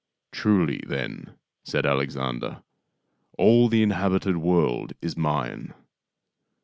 " Truly, then," said Alexander, " all the inhabited world is mine.